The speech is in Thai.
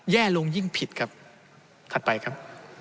แย่ลงยิ่งผิดครับถัดไปครับ